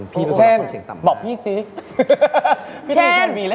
พี่รับความเสี่ยงต่ำมากนะครับเช่นบอกพี่สิ